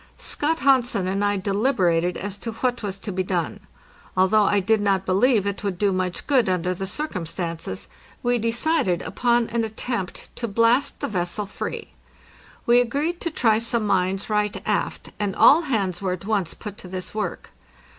Scott Hansen and I deliberated as to what was to be done. Although I did not believe it would do much good under the circumstances, we decided upon an attempt to blast the vessel free. We agreed to try some mines right aft, and all hands were at once put to this work.